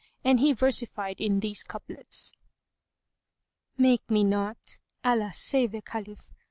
And he versified in these couplets, "Make me not (Allah save the Caliph!)